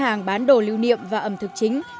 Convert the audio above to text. hàng bán đồ lưu niệm và ẩm thực chính